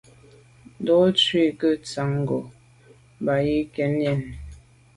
Ndo’ ntshui nke ntshan ngo’ bàn yi ke yen.